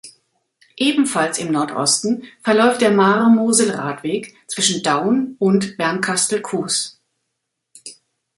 Ebenfalls im Nordosten verläuft der Maare-Mosel-Radweg zwischen Daun und Bernkastel-Kues.